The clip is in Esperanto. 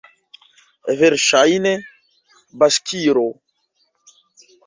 Verŝajne, baŝkiro!